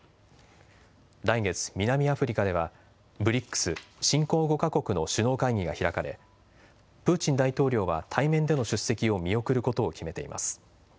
来月、南アフリカではＢＲＩＣＳ、新興５か国の首脳会議が開かれプーチン大統領は対面での出席を見送ることを決めています。